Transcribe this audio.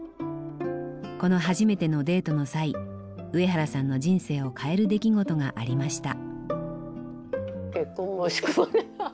この初めてのデートの際上原さんの人生を変える出来事がありました。